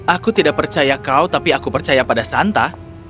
aku tidak percaya kau tapi aku percaya pada santa